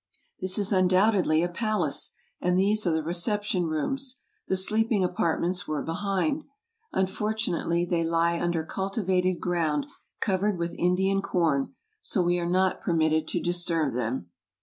This is undoubtedly a palace, and these are the recep tion rooms; the sleeping apartments were behind; unfortu nately they lie under cultivated ground covered with Indian corn, so we are not permitted to disturb them.